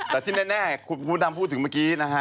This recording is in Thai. แต่ที่แน่คุณพุทธดำพูดถึงเมื่อกี้นะฮะ